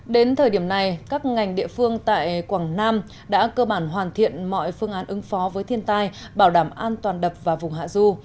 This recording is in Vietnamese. đến thời điểm này các ngành địa phương tại quảng nam đã cơ bản hoàn thiện mọi phương án ứng phó với thiên tai bảo đảm an toàn đập và vùng hạ du